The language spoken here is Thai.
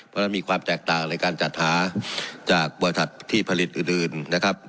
เพราะฉะนั้นมีความแตกต่างในการจัดหาจากบริษัทที่ผลิตอื่นนะครับ